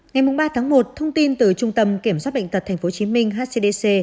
ngày ba tháng một thông tin từ trung tâm kiểm soát bệnh tật tp hcm hcdc